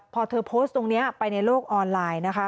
พอเธอโพสต์ตรงนี้ไปในโลกออนไลน์นะคะ